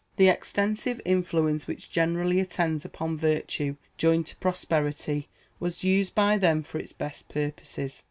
The extensive influence which generally attends upon virtue joined to prosperity was used by them for its best purposes.